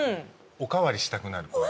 おかわりしたくなる。